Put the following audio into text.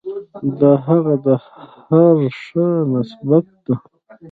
دا هغه ته د هر ښه نسبت ده.